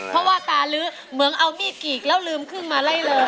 เพราะว่าตาลื้อเหมือนเอามีดกีกแล้วลืมขึ้นมาไล่เลย